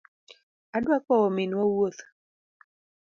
Adwa kowo minwa wuoth